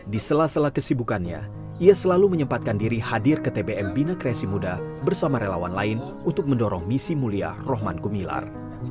di sela sela kesibukannya ia selalu menyempatkan diri hadir ke tbm bina kreasi muda bersama relawan lain untuk mendorong misi mulia rohman gumilar